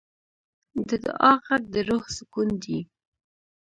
د دعا غږ د روح سکون دی.